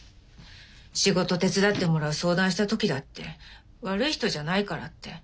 仕事手伝ってもらう相談した時だって悪い人じゃないからって。